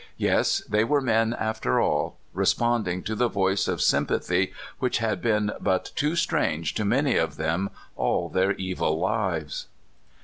Yes, they w^ere men, after all, responding to the voice of sympa thy, which had been but too strange to many of them all their evil lives.